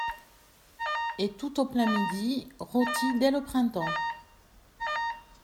Et tout au plein midi, rôti dès le printemps.